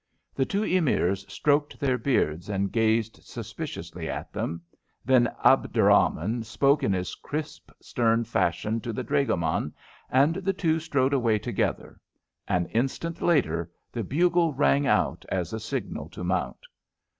The two Emirs stroked their beards and gazed suspiciously at them. Then Abderrahman spoke in his crisp, stern fashion to the dragoman, and the two strode away together. An instant later the bugle rang out as a signal to mount.